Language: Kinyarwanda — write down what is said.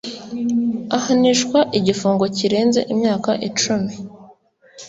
ahanishwa igifungo kirenze imyaka icumi